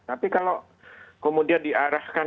tapi kalau kemudian diarahkan